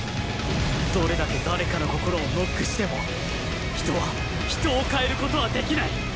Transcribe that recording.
どれだけ誰かの心をノックしても人は人を変える事はできない！